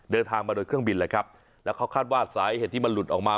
เดินทางมาโดยเครื่องบินเลยครับแล้วเขาคาดว่าสาเหตุที่มันหลุดออกมา